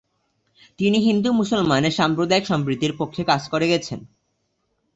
তিনি হিন্দু-মুসলমানের সাম্প্রদায়িক সম্প্রীতির পক্ষে কাজ করে গেছেন।